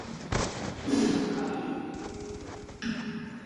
Ez da nire asmoa hain interesgarria den historialariaren lan hori egitea hemen.